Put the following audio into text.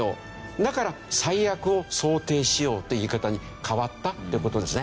だから「最悪を想定しよう」という言い方に変わったという事ですね。